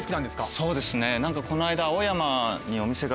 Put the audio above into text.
そうですね何かこの間。